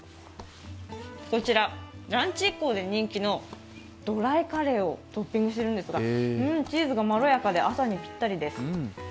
こちら、ランチ以降で人気のドライカレーをトッピングしてるんですがチーズがまろやかで朝にピッタリです。